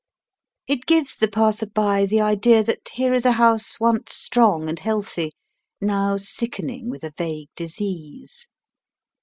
It gives the passer by the idea that here is a house once strong and healthy, now sickening with a vague disease.